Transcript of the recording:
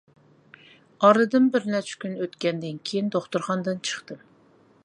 ئارىدىن بىرنەچچە كۈن ئۆتكەندىن كېيىن دوختۇرخانىدىن چىقتىم.